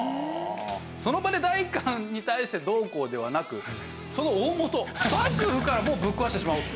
その場で代官に対してどうこうではなくその大本幕府からもうぶっ壊してしまおうと。